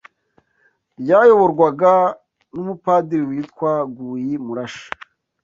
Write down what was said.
ryayoborwaga n’umupadiri witwa Guyi Murashi